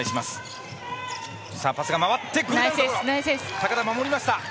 高田、守りました。